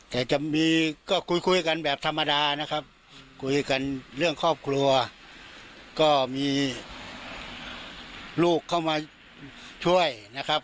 แต่จะมีก็คุยกันแบบธรรมดานะครับคุยกันเรื่องครอบครัวก็มีลูกเข้ามาช่วยนะครับ